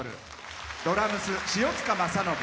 ドラムス、塩塚正信。